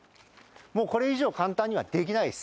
もうこれ以上簡単にはできないです。